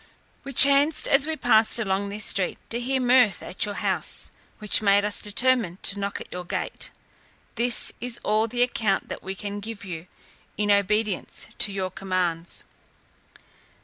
We chanced as we passed along this street to hear mirth at your house, which made us determine to knock at your gate. This is all the account that we can give you, in obedience to your commands."